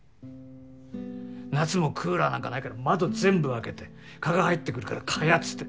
夏もクーラーなんかないから窓全部開けて蚊が入ってくるから蚊帳つって。